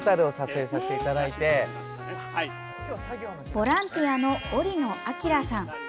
ボランティアの織野章さん。